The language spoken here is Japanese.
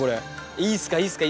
いいっすかいいっすか。